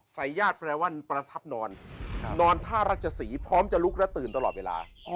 ฟัยญาตรแปรวัณประทับนอนนอนท่ารักษีพร้อมจะลุกระตื่นตลอดเวลา